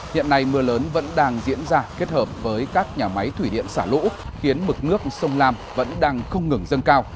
hiện nay mưa lớn vẫn đang diễn ra kết hợp với các nhà máy thủy điện xả lũ khiến mực nước sông lam vẫn đang không ngừng dâng cao